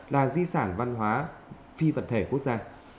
là di sản văn hóa phi vật thể quốc gia